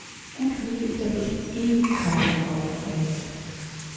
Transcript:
Gut möglich, dass es eh keinem auffällt.